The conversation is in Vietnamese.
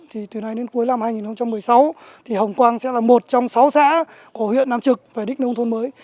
thì từ nay đến cuối năm hai nghìn một mươi sáu thì hồng quang sẽ là một trong sáu xã của huyện làm trực về đích nông thôn mới